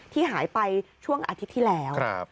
ที่หายไปช่วงอาทิตย์ที่แล้ว